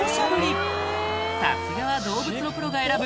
さすがは動物のプロが選ぶ